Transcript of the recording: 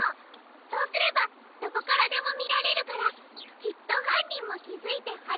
そうすればどこからでもみられるからきっとはんにんもきづいてはりかえにくるわ。